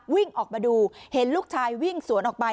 วิ่งออกมาดูเห็นลูกชายวิ่งสวนออกไป